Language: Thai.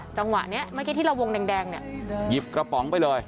จังหวะนี้แหมือนที่เราวงวงดังเนี่ยยิบกระป๋องไปเลย